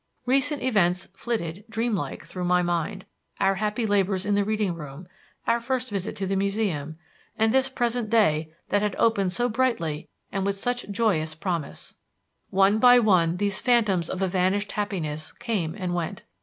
Recent events flitted, dream like, through my mind; our happy labors in the reading room; our first visit to the Museum; and this present day that had opened so brightly and with such joyous promise. One by one these phantoms of a vanished happiness came and went.